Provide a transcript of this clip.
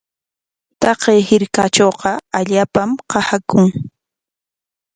Taqay hirkatrawqa allaapam qasaakun.